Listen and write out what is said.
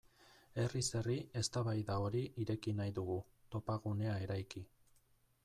Herriz herri eztabaida hori ireki nahi dugu, topagunea eraiki.